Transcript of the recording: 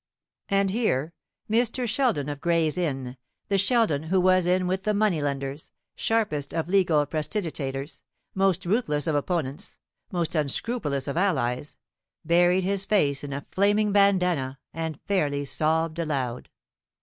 And here Mr. Sheldon of Gray's Inn, the Sheldon who was in with the money lenders, sharpest of legal prestigitators, most ruthless of opponents, most unscrupulous of allies, buried his face in a flaming bandanna, and fairly sobbed aloud.